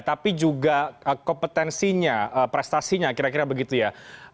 tapi juga kompetensinya prestasinya kira kira begitu ya